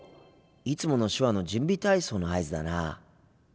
いつもの手話の準備体操の合図だな。